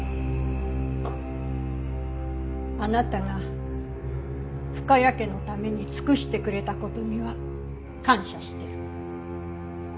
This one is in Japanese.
あなたが深谷家のために尽くしてくれた事には感謝してる。